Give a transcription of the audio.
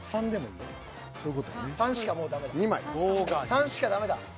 ３しかダメだ。